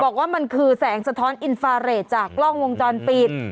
บอกว่ามันคือแสงสะท้อนอินฟาเรทจากกล้องวงจรปิด